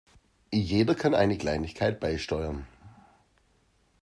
Jeder kann eine Kleinigkeit beisteuern.